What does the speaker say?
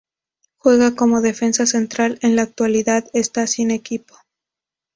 Juega como defensa central en la actualidad esta sin equipo.